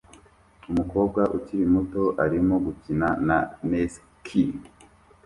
Umukobwa ukiri muto arimo gukina na Nesquik